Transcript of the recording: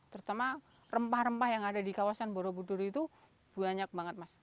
terutama rempah rempah yang ada di kawasan borobudur itu banyak banget mas